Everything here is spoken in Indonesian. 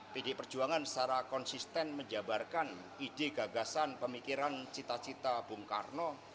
pdi perjuangan secara konsisten menjabarkan ide gagasan pemikiran cita cita bung karno